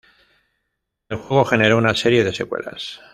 El juego generó una serie de secuelas.